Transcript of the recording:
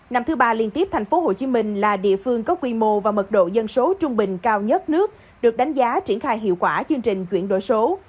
nhiệp phương có quy mô và mật độ dân số trung bình cao nhất nước được đánh giá triển khai hiệu quả chương trình chuyển đổi số